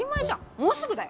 もうすぐだよ。